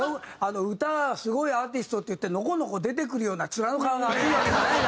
歌がスゴいアーティストっていってノコノコ出てくるような面の皮が厚いわけじゃない！